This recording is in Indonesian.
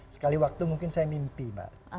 sekali waktu mungkin saya mimpi mbak